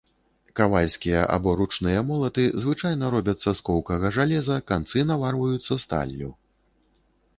Кавальскія, або ручныя молаты звычайна робяцца з коўкага жалеза, канцы наварваюцца сталлю.